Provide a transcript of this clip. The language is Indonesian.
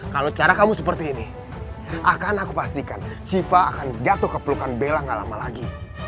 kalau cara kamu seperti ini akan aku pastikan siva akan jatuh ke pelukan bela gak lama lagi